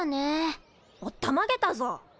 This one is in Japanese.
おったまげたぞ。